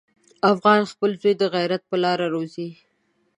افغان خپل زوی د غیرت په لاره روزي.